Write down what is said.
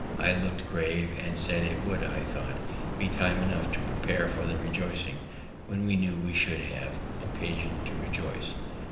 I looked grave, and said it would, I thought, be time enough to prepare for the rejoicing when we knew we should have occasion to rejoice.